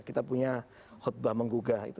kita punya khutbah menggugah